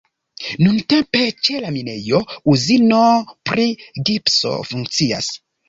Nuntempe ĉe la minejo uzino pri gipso funkcias.